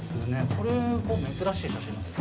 これが珍しい写真なんですか？